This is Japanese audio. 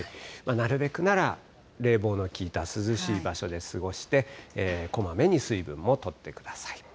なるべくなら冷房の効いた涼しい場所で過ごして、こまめに水分もとってください。